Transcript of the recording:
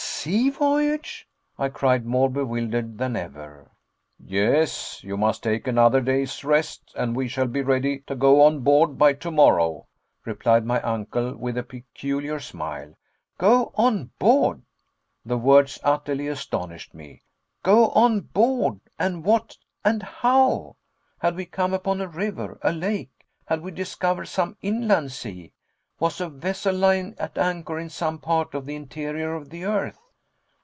"Sea voyage?" I cried, more bewildered than ever. "Yes. You must take another day's rest, and we shall be ready to go on board by tomorrow," replied my uncle, with a peculiar smile. "Go on board!" The words utterly astonished me. Go on board what and how? Had we come upon a river, a lake, had we discovered some inland sea? Was a vessel lying at anchor in some part of the interior of the earth?